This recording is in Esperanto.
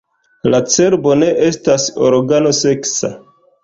La cerbo ne estas organo seksa.